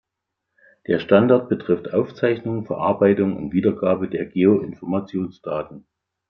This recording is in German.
Der Standard betrifft Aufzeichnung, Verarbeitung und Wiedergabe der Geo-Informationsdaten.